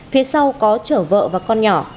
phía sau có chở vợ và con nhỏ